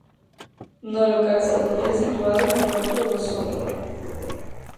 No local social situado no Porto do Son.